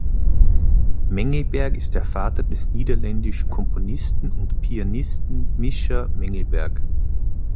Mengelberg ist der Vater des niederländischen Komponisten und Pianisten Misha Mengelberg.